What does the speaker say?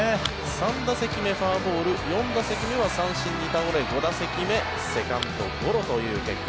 ３打席目、フォアボール４打席目は三振に倒れ５打席目セカンドゴロという結果。